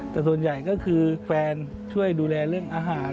แต่ส่วนใหญ่ก็คือแฟนช่วยดูแลเรื่องอาหาร